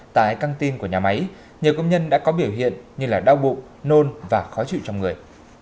tại căng tin của nhà máy nhiều công nhân đã có biểu hiện như đau bụng nôn và khó chịu trong người